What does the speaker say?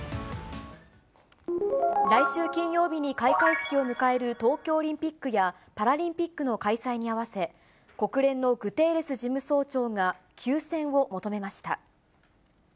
来週金曜日に開会式を迎える東京オリンピックや、パラリンピックの開催に合わせ、国連のグテーレス事務総長が、休戦を求めました。